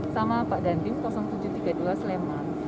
sama pak dandim tujuh ratus tiga puluh dua sleman